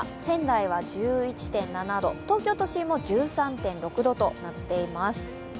仙台は１１．７度東京都心も１３．６度となっています。